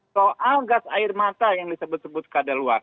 soal gas air mata yang disebut sebut kadal luar